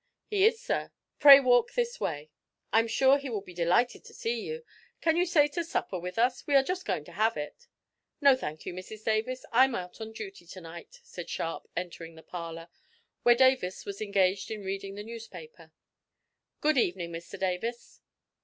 "He is, sir; pray, walk this way; I'm sure he will be delighted to see you. Can you stay to supper with us? we are just going to have it." "No, thank you, Mrs Davis, I'm out on duty to night," said Sharp, entering the parlour, where Davis was engaged in reading the newspaper. "Good evening, Mr Davis."